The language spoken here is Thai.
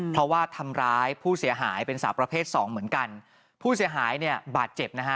เพราะว่าทำร้ายผู้เสียหายเป็นสาวประเภทสองเหมือนกันผู้เสียหายเนี่ยบาดเจ็บนะฮะ